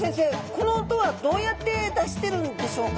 この音はどうやって出してるんでしょうか？